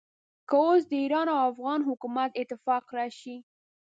که اوس د ایران او افغان حکومت اتفاق راشي.